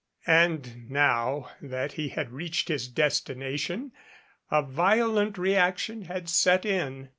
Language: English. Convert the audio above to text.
And now that he had reached his destination, a violent reaction had set in.